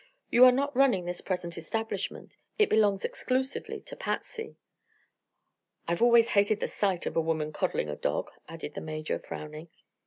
"You are not running this present establishment. It belongs exclusively to Patsy." "I've always hated the sight of a woman coddling a dog," added the Major, frowning.